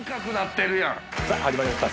さぁ始まりました